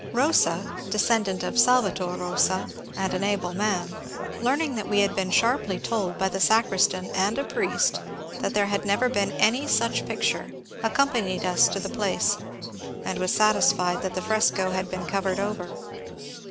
Bosa, — descendant of Salvator Bosa, and an able man, — learning that we had been sharply told by the sacristan and a priest that there had never been any such picture, accompanied us to the place, and was satisfied that the fresco had been covered over.